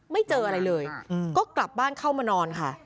เจออะไรเลยก็กลับบ้านเข้ามานอนค่ะ